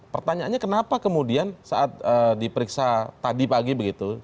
pertanyaannya kenapa kemudian saat diperiksa tadi pagi begitu